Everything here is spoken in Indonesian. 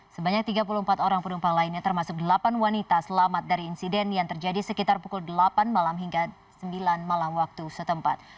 sebanyak tiga puluh empat orang penumpang lainnya termasuk delapan wanita selamat dari insiden yang terjadi sekitar pukul delapan malam hingga sembilan malam waktu setempat